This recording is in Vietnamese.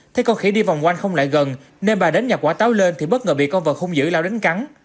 thấy con khỉ đi vòng quanh không lại gần nên bà đến nhập quả táo lên thì bất ngờ bị con vật hung dữ lao đánh cắn